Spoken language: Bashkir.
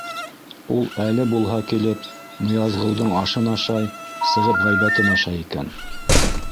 Ул әле булһа килеп Ныязғолдоң ашын ашай, сығып ғәйбәтен ашай икән.